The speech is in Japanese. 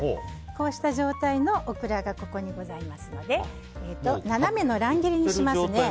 こうした状態のオクラがここにございますので斜めの乱切りにします。